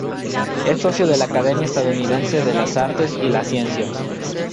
Es socio de la Academia estadounidense de la Artes y las Ciencias.